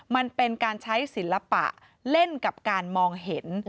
มันเป็นการใช้ศิลปะเล่นกับการมองเห็น